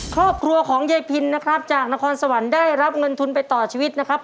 ครอบครัวของยายพินนะครับจากนครสวรรค์ได้รับเงินทุนไปต่อชีวิตนะครับ